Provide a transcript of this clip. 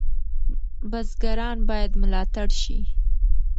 بزګران باید ملاتړ شي.